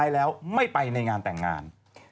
แล้วไม่ไปในงานแต่งงาน